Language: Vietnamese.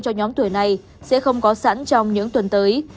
cho nhóm tuổi này sẽ không có sẵn trong những tuần tới